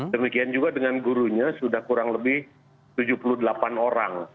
demikian juga dengan gurunya sudah kurang lebih tujuh puluh delapan orang